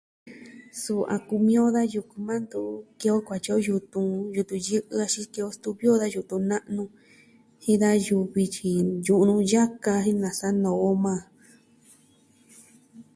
Suu a kumi on da yuku yukuan, ntu ke'en on kuatyi on yutun, yutun yɨ'ɨ axin ke'en on xituvi o da yutun na'nu, jin da yuvi tyi ntyu'un nu yaka jen nasa'a noo majan.